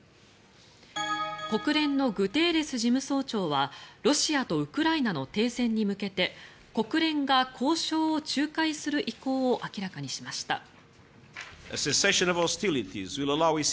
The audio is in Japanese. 国連のグテーレス事務総長はロシアとウクライナの停戦に向けて国連が交渉を仲介する意向を明らかにしました。